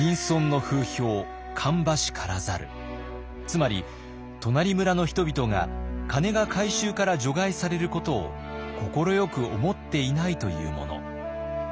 つまり「となり村の人々が鐘が回収から除外されることを快く思っていない」というもの。